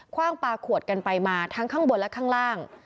ว่างปลาขวดกันไปมาทั้งข้างบนและข้างล่าง